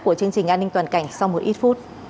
của chương trình an ninh toàn cảnh sau một ít phút